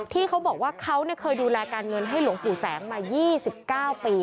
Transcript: ที่เขาบอกว่าเขาเคยดูแลการเงินให้หลวงปู่แสงมา๒๙ปี